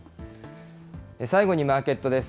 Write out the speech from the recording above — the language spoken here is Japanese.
最後にマーケットです。